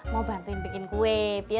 mau bantuin bikin kue